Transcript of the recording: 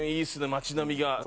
街並みが。